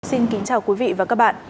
xin kính chào quý vị và các bạn